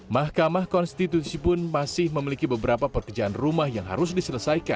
mahkamah konstitusi pun masih memiliki beberapa pekerjaan rumah yang harus diselesaikan